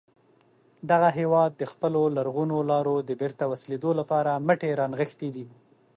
دغه هیواد د خپلو لرغونو لارو د بېرته وصلېدو لپاره مټې را نغښتې دي.